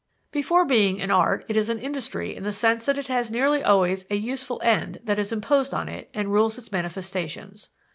"Before being an art it is an industry in the sense that it has nearly always a useful end that is imposed on it and rules its manifestations.